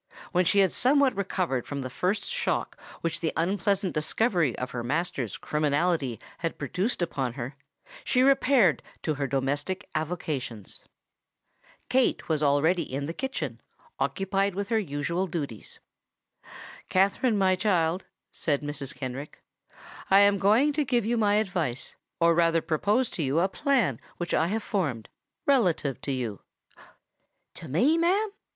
When she had somewhat recovered from the first shock which the unpleasant discovery of her master's criminality had produced upon her, she repaired to her domestic avocations. Kate was already in the kitchen, occupied with her usual duties. "Katherine, my dear child," said Mrs. Kenrick, "I am going to give you my advice—or rather to propose to you a plan which I have formed—relative to you——" "To me, ma'am?"